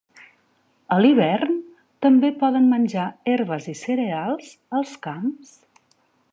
A l'hivern, també poden menjar herbes i cereals als camps.